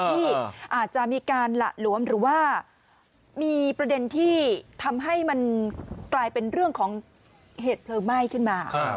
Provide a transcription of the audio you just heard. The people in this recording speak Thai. ที่อาจจะมีการหละหลวมหรือว่ามีประเด็นที่ทำให้มันกลายเป็นเรื่องของเหตุเพลิงไหม้ขึ้นมา